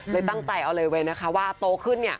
เลยตั้งใจเอาเลยไว้ว่าโตขึ้น